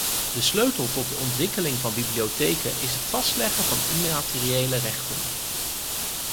De sleutel tot de ontwikkeling van bibliotheken is het vastleggen van immateriële rechten.